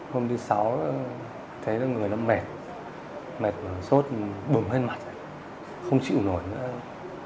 hôm thứ sáu thấy là người lắm mệt mệt sốt bừng lên mặt không chịu nổi nữa